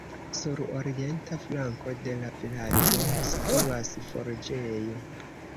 Sur orienta flanko de la vilaĝo situas forĝejo.